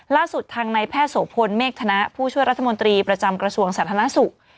ล่าสุดทางในแพทย์โสพลเมฆธนะผู้ช่วยรัฐมนตรีประจำกระทรวงสาธารณสุข